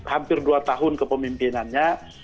hampir dua tahun kepemimpinannya